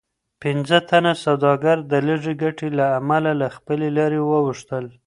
پنځه تنه سوداګر د لږې ګټې له امله له خپلې لارې واوښتل.